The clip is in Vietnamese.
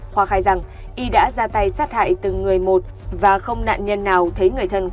khoa khai rằng y đã ra tay sát hại từng người một và không nạn nhân nào thấy người thân của